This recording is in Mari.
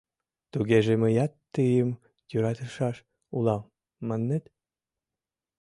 Тугеже, мыят тыйым йӧратышаш улам, маннет?